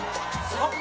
あっ！